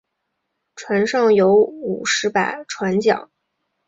船上有五十把船浆。